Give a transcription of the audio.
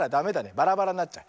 バラバラになっちゃう。